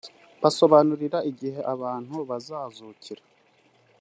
basobanura igihe abantu bazazukira